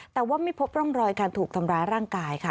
แต่ว่าไม่พบร่องรอยการถูกทำร้ายร่างกายค่ะ